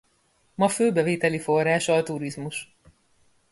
Ma fő bevételi forrása a turizmus.